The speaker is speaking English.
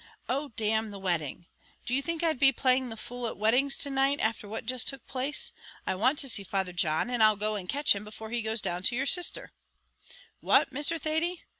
"Oh! d n the wedding. Do you think I'd be playing the fool at weddings to night, afther what just took place? I want to see Father John; and I'll go and catch him before he goes down to your sisther." "What, Mr. Thady!